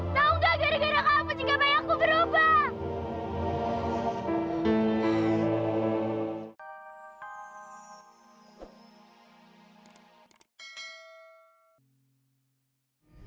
tau gak gara gara apa jika bayangku berubah